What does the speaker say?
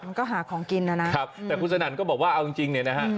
มันก็หาของกินนะครับแต่คุณสนั่นก็บอกว่าเอาจริงจริงเนี่ยนะฮะ